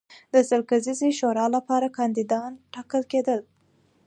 د سل کسیزې شورا لپاره کاندیدان ټاکل کېدل.